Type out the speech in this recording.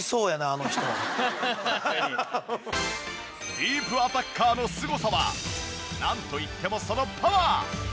ディープアタッカーのすごさはなんといってもそのパワー！